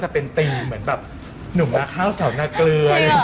เป็นตีมเหมือนหนุ่มนาคราวสะวนนาเกรื่อย